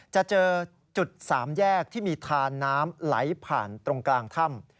จะเจอจุดสามแยกที่มีทานน้ำไหลผ่านตรงกลางถ้ำ